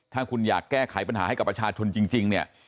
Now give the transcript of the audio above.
ถ้าคุณอยากแก้ไขปัญหาให้กับประชาชนจริงเนี่ย